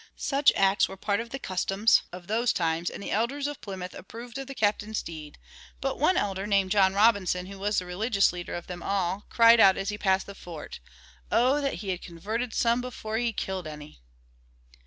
Such acts were part of the customs of those times, and the elders of Plymouth approved of the Captain's deed, but one elder, named John Robinson, who was the religious leader of them all, cried out as he passed the fort, "Oh, that he had converted some before he killed any!"